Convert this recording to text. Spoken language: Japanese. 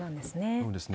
そうですね。